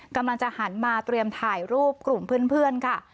กำลังจะหันมาเตรียมถ่ายรูปกลุ่มเพื่อนค่ะ